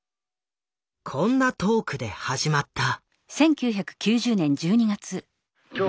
こんなトークで始まった。